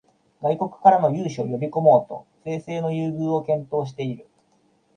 外国からの投資を呼びこもうと税制の優遇を検討している